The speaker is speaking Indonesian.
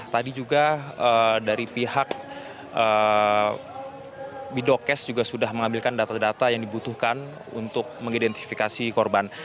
tadi juga dari pihak bidokes juga sudah mengambilkan data data yang dibutuhkan untuk mengidentifikasi korban